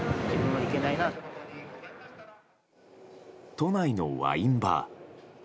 都内のワインバー。